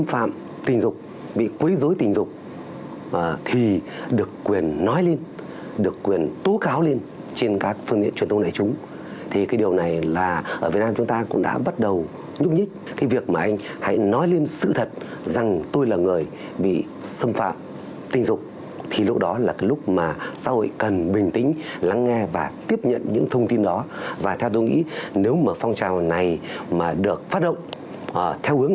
vì xâm phạm tình dục bị quấy dối tình dục thì được quyền nói lên được quyền tố cáo lên trên các phương tiện truyền thông đại chúng thì cái điều này là ở việt nam chúng ta cũng đã bắt đầu nhúc nhích cái việc mà anh hãy nói lên sự thật rằng tôi là người bị xâm phạm tình dục thì lúc đó là lúc mà xã hội cần bình tĩnh lắng nghe và tiếp nhận những thông tin đó và theo tôi nghĩ nếu mà phong trào này mà được phát động theo hướng